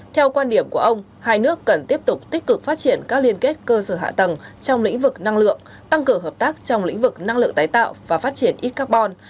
theo quan điểm của ông hai nước cần tiếp tục tích cực phát triển các liên kết cơ sở hạ tầng trong lĩnh vực năng lượng tăng cường hợp tác trong lĩnh vực năng lượng tái tạo và phát triển ít carbon